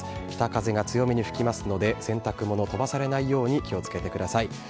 北風が強めに吹きますので、洗濯物、飛ばされないように気をつけてください。